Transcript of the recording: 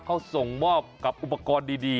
เขาส่งมอบกับอุปกรณ์ดี